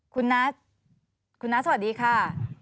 คุณนัทคุณนัทสวัสดีค่ะ